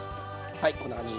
はいこんな感じ。